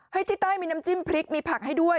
ที่ใต้มีน้ำจิ้มพริกมีผักให้ด้วย